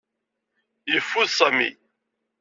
Yeffud Sami.